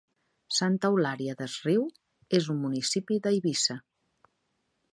Santa Eulària des Riu és un municipi d'Eivissa.